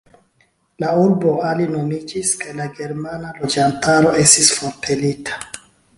La urbo alinomiĝis kaj la germana loĝantaro estis forpelita.